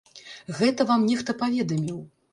Гэта вам нехта паведаміў!